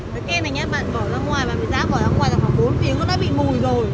bạn phải dã bỏ ra ngoài khoảng bốn tiếng nó đã bị mùi rồi